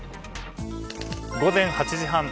午前８時半。